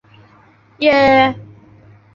刻叶紫堇为罂粟科紫堇属下的一个种。